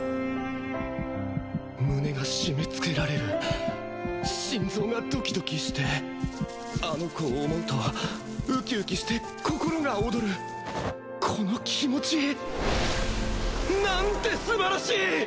胸が締めつけられる心臓がドキドキしてあの子を思うとウキウキして心が躍るこの気持ち何てすばらしい！